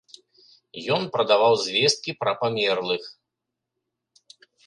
Ён прадаваў звесткі пра памерлых.